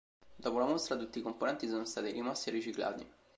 Dopo la mostra, tutti i componenti sono stati rimossi e riciclati.